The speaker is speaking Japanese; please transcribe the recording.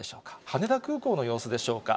羽田空港の様子でしょうか。